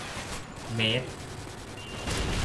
เมตร